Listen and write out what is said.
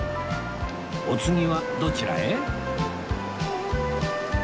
お次はどちらへ？